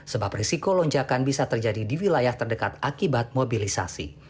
sebab risiko lonjakan bisa terjadi di wilayah terdekat akibat mobilisasi